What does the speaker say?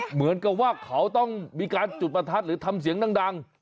เหมือนกับว่าเขาต้องมีการจุดประทัดหรือทำเสียงดัง